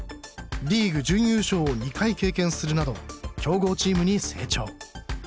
リーグ準優勝を２回経験するなど強豪チームに成長。